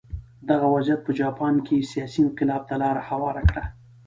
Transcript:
دغه وضعیت په جاپان کې سیاسي انقلاب ته لار هواره کړه.